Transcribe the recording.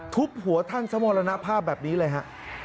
ทุบหัวท่านสมรณภาพแบบนี้เลยฮะ